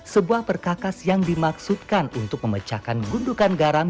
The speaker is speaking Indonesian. sebuah perkakas yang dimaksudkan untuk memecahkan gundukan garam